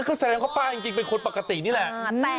ก็แสดงว่าป้าจริงเป็นคนปกตินี่แหละ